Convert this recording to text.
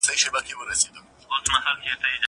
زه پرون کښېناستل وکړې!!